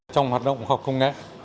trong hoạt động học không nghe